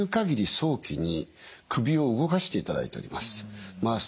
早期に首を動かしていただいております。